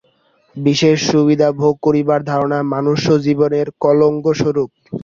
বিশেষ সুবিধা ভোগ করিবার ধারণা মনুষ্যজীবনের কলঙ্কস্বরূপ।